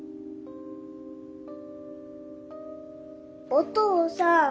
お父さん。